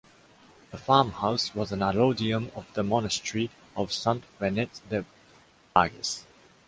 The farmhouse was an allodium of the monastery of Sant Benet de Bages.